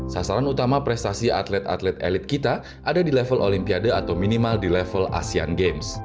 sasaran utama prestasi atlet atlet elit kita ada di level olimpiade atau minimal di level asean games